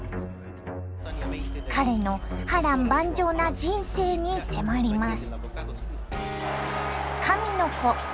彼の波乱万丈な人生に迫ります。